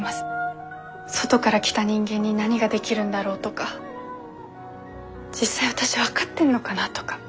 外から来た人間に何ができるんだろうとか実際私分かってんのかなとか。